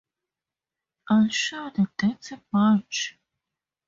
I'll show the dirty bunch.